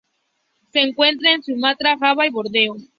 Se encuentra en Sumatra, Java y Borneo.